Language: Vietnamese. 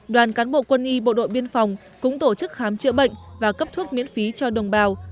đoàn cán bộ quân y bộ đội biên phòng cũng tổ chức khám chữa bệnh và cấp thuốc miễn phí cho đồng bào